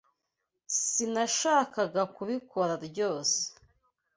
Sinashakaga kubikora ryose